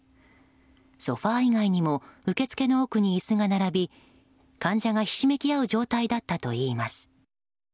ソファ以外にも受け付けの奥に椅子が並び患者がひしめき合う状態だったといいます。